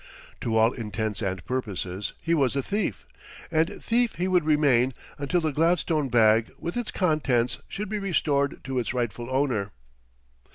To all intents and purposes he was a thief, and thief he would remain until the gladstone bag with its contents should be restored to its rightful owner.